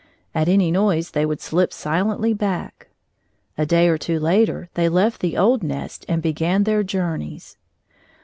At any noise they would slip silently back. A day or two later they left the old nest and began their journeys.